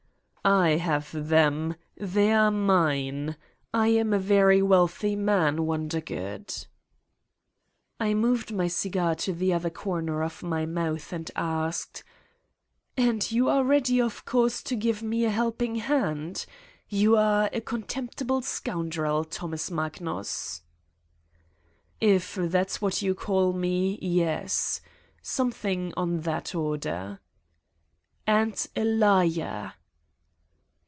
"I have them. They are mine. I am a very wealthy man, Wondergood." 215 Satan's Diary I moved my cigar to the other corner of my mouth and asked: "And you are ready, of course, to give me a helping hand? You are a contemptible scoundrel, Thomas Magnus." "If that's what you call me yes. Something on that order." "And a liar!"